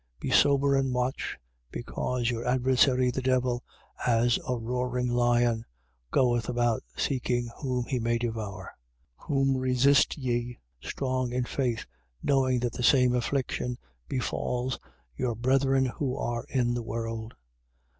5:8. Be sober and watch: because your adversary the devil, as a roaring lion, goeth about seeking whom he may devour. 5:9. Whom resist ye, strong in faith: knowing that the same affliction befalls, your brethren who are in the world.